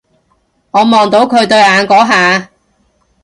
我望到佢對眼嗰下